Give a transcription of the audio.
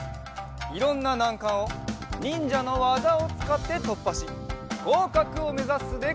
いろんななんかんをにんじゃのわざをつかってとっぱしごうかくをめざすでござる！